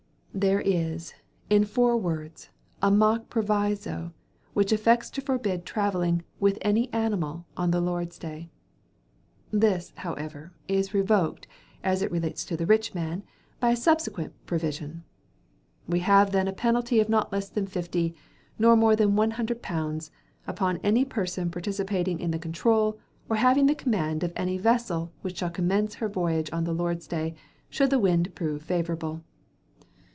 There is, in four words, a mock proviso, which affects to forbid travelling 'with any animal' on the Lord's day. This, however, is revoked, as relates to the rich man, by a subsequent provision. We have then a penalty of not less than fifty, nor more than one hundred pounds, upon any person participating in the control, or having the command of any vessel which shall commence her voyage on the Lord's day, should the wind prove favourable.